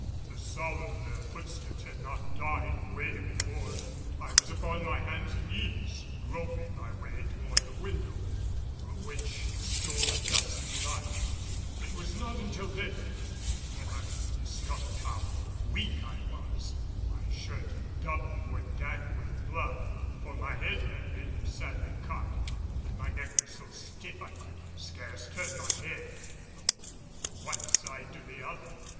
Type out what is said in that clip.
The sound of their footsteps had not died away before I was upon my hands and knees groping my way toward the window, through which stole a dusky light. It was not until then that I discovered how weak I was. My shirt and doublet were dank with blood, for my head had been sadly cut; and my neck was so stiff I could scarce turn my head from the one side to the other.